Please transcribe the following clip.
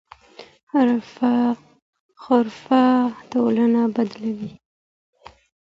حرفه ټولنه بدلوي.